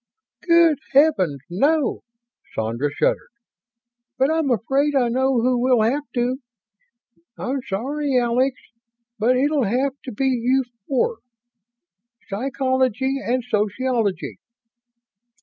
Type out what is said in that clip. "Good Heavens, no!" Sandra shuddered. "But I'm afraid I know who will have to. I'm sorry, Alex, but it'll have to be you four Psychology and Sociology."